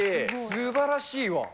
すばらしいわ。